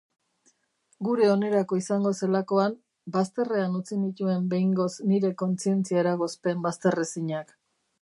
Gure onerako izango zelakoan, bazterrean utzi nituen behingoz nire kontzientzia-eragozpen bazterrezinak.